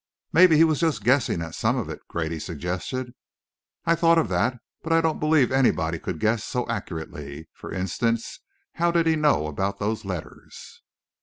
"Maybe he was just guessing at some of it," Grady suggested. "I thought of that; but I don't believe anybody could guess so accurately. For instance, how did he know about those letters?"